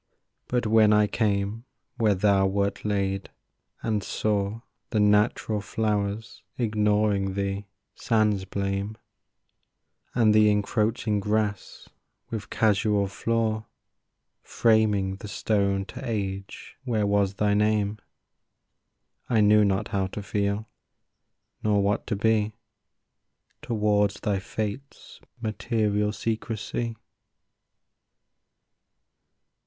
But when I came where thou wert laid, and saw The natural flowers ignoring thee sans blame, And the encroaching grass, with casual flaw, Framing the stone to age where was thy name, I knew not how to feel, nor what to be Towards thy fate's material secrecy.